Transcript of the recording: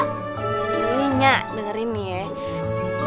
nyi nya dengerin nih ya